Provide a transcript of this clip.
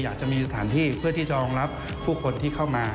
อยากจะมีสถานที่เพื่อที่จะรองรับผู้คนที่เข้ามา